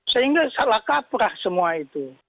sehingga salah kaprah semua itu